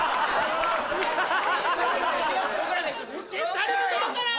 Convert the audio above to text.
誰も届かない！